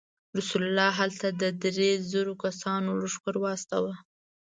رسول الله هلته د درې زرو کسانو لښکر واستاوه.